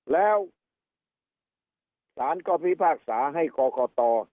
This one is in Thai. แล้วสารก็พิพากษาให้กรกต